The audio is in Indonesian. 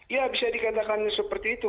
ya bisa dikatakan seperti itu